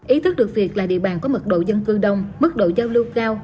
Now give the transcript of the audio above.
ý thức được việc là địa bàn có mật độ dân cư đông mức độ giao lưu cao